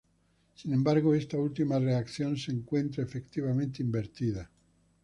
Sin embargo esta última reacción se encuentra efectivamente invertida.